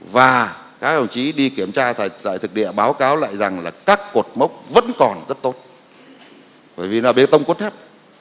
và các đồng chí đi kiểm tra tại thực địa báo cáo lại rằng là các cột mốc vẫn còn rất tốt bởi vì là bê tông cốt thép